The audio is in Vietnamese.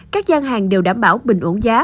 các gian hàng đều đảm bảo bình ổn giá